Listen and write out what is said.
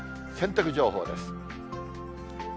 洗濯情報です。